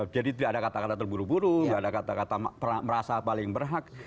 jadi tidak ada kata kata terburu buru tidak ada kata kata merasa paling berhak